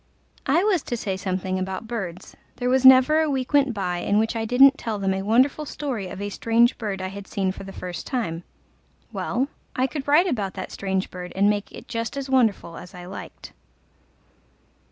I was to say something about birds: there was never a week went by in which I didn't tell them a wonderful story of a strange bird I had seen for the first time: well, I could write about that strange bird and make it just as wonderful as I liked.